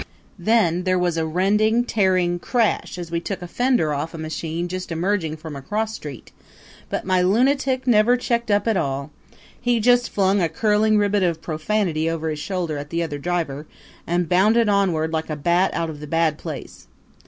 Then there was a rending, tearing crash as we took a fender off a machine just emerging from a cross street, but my lunatic never checked up at all. He just flung a curling ribbon of profanity over his shoulder at the other driver and bounded onward like a bat out of the Bad Place.